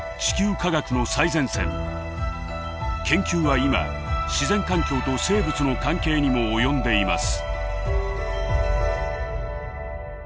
研究は今自然環境と生物の関係にも及んでいます。